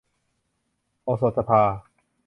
โอสถสภา